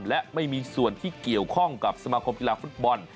และไม่มีส่วนที่เกี่ยวข้องกับสมาคมกีฬาฟุตบอล